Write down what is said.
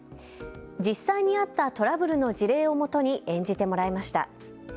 実際にあったトラブルの事例をもとに演じてもらいました。